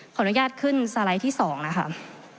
ขออนุญาตขึ้นสไลด์ที่๒นะครับ